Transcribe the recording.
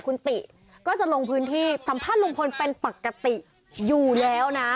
คุณติก็จะลงพื้นที่สัมภาษณ์ลุงพลเป็นปกติอยู่แล้วนะ